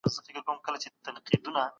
هلک خپله ډوډې وخوړه او بېدېدی.